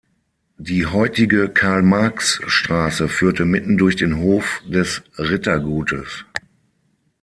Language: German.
Die heutige Karl-Marx-Straße führte mitten durch den Hof des Rittergutes.